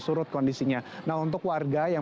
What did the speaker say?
surut kondisinya nah untuk warga yang